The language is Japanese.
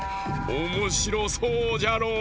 おもしろそうじゃろう？